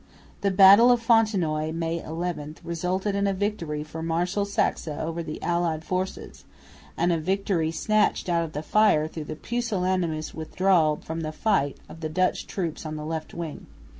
The battle of Fontenoy (May 11) resulted in a victory for Marshal Saxe over the allied forces, a victory snatched out of the fire through the pusillanimous withdrawal from the fight of the Dutch troops on the left wing.